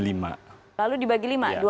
lalu dibagi lima